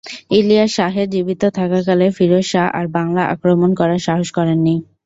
ইলিয়াস শাহের জীবিত থাকাকালে ফিরোজ শাহ আর বাংলা আক্রমণ করার সাহস করেন নি।